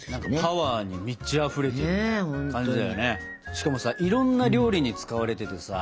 しかもさいろんな料理に使われててさ。